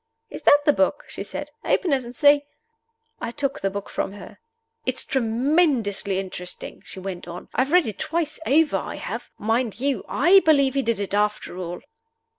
"Is that the book?" she said. "Open it, and see." I took the book from her. "It is tremendously interesting," she went on. "I've read it twice over I have. Mind you, I believe he did it, after all."